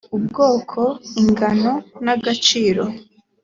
ubwoko ingano n agaciro